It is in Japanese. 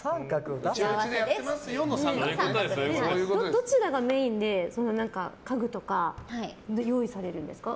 どちらがメインで家具とか用意されるんですか？